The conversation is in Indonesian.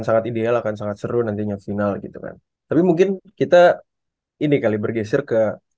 sangat ideal akan sangat seru nantinya final gitu kan tapi mungkin kita ini kali bergeser ke